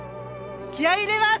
気合い入れます！